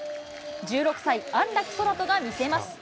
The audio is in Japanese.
１６歳、安楽宙斗が見せます。